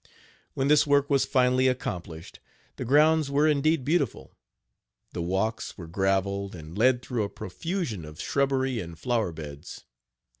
When this work was finally accomplished, the grounds were indeed beautiful. The walks were graveled, and led through a profusion of shrubbery and flower beds.